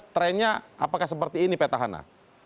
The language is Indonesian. trendnya apakah seperti ini pak tahana